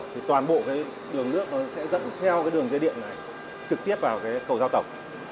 thì toàn bộ cái đường nước nó sẽ dẫn theo cái đường dây điện này trực tiếp vào cái cầu giao tổng